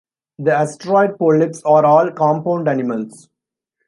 The asteroid polyps are all compound animals.